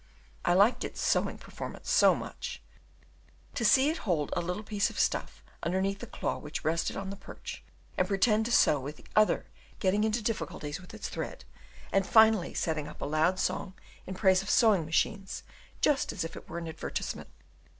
I liked its sewing performance so much to see it hold a little piece of stuff underneath the claw which rested on the perch, and pretend to sew with the other, getting into difficulties with its thread, and finally setting up a loud song in praise of sewing machines just as if it were an advertisement.